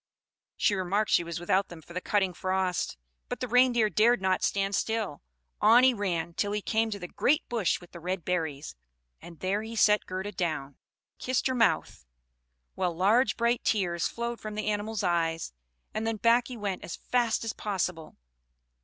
She remarked she was without them from the cutting frost; but the Reindeer dared not stand still; on he ran till he came to the great bush with the red berries, and there he set Gerda down, kissed her mouth, while large bright tears flowed from the animal's eyes, and then back he went as fast as possible.